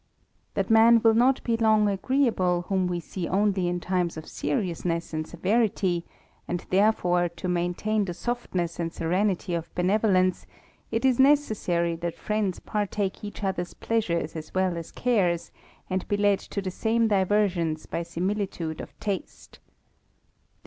That man will not be long agreeable whuin we see only _, JB times of seriousness and severity ; and therefore, [ntain the softness and serenity of benevolence, y that friends partake each other's pleasures as well 94 THE JtAMBLER. as cares, and be led to th e same diversions by similitude c taste.